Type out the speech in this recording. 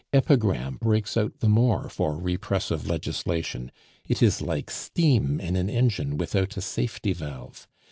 Epigram breaks out the more for repressive legislation; it is like steam in an engine without a safety valve.